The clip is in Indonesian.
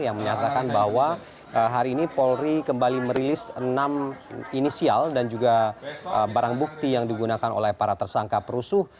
yang menyatakan bahwa hari ini polri kembali merilis enam inisial dan juga barang bukti yang digunakan oleh para tersangka perusuh